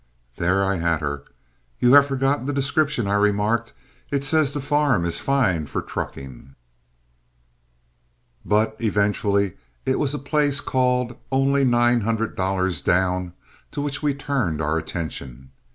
There I had her. "You have forgotten the description," I remarked. "It says the farm is fine for trucking." But eventually it was a place called Only Nine Hundred Dollars Down to which we turned our attention.